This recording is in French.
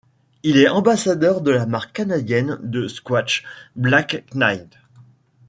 Il est ambassadeur de la marque canadienne de squash Black Knight.